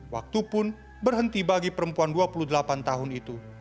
waktu pun berhenti bagi perempuan dua puluh delapan tahun itu